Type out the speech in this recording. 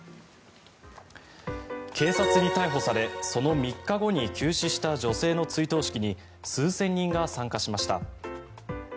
警察に逮捕されその３日後に急死した女性の追悼式に数千人が参加しました。